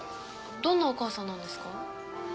どんなお母さんなんですか？